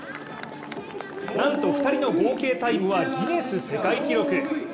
なんと２人の合計タイムはギネス世界記録。